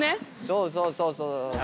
そうそうそうそう。